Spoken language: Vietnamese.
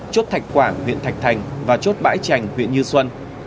chốt thạch quảng huyện thạch thành và chốt bãi trành huyện như xuân